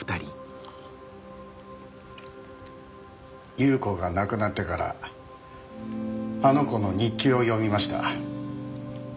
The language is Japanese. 夕子が亡くなってからあの子の日記を読みました。